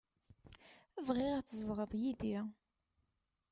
Bɣiɣ ad tzedɣeḍ yid-i.